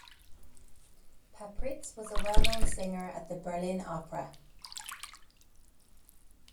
Pappritz was a well-known singer at the Berlin Opera.